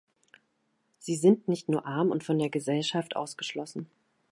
Sie sind nicht nur arm und von der Gesellschaft ausgeschlossen.